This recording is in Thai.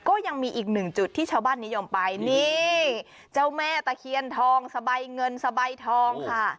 ก็ยังมีอีกหนึ่งจุดที่ชาวบ้านนิยมไปนี่เจ้าแม่ตะเคียนทองสบายเงินสบายทองค่ะ